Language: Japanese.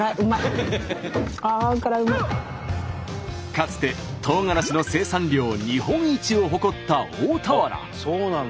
かつてとうがらしの生産量日本一を誇った大田原。